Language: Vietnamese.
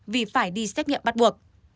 vì phải đi xét nghiệm bắt buộc